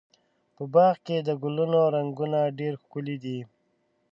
په باغ کې د ګلونو رنګونه ډېر ښکلي دي.